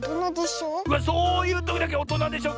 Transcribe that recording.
うわそういうときだけ「おとなでしょ？」